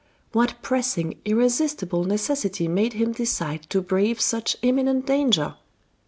What pressing, irresistible necessity made him decide to brave such imminent danger?"